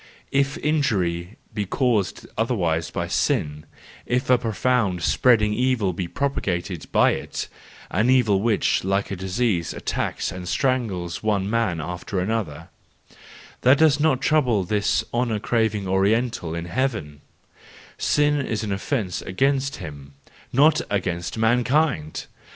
If injury be caused otherwise by sin, if a profound, spreading evil be propagated by it, an evil which, like a disease, attacks and strangles one man after another—that does not trouble this honour craving Oriental in heaven; sin is an offence against him, not against mankind!